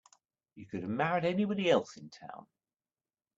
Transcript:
You could have married anybody else in town.